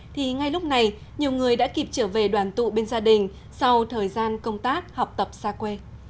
thì ngay lúc này nhiều người đã kịp trở về đoàn tụ bên gia đình sau thời gian công tác học tập xa quê